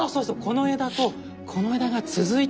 この枝とこの枝が続いている。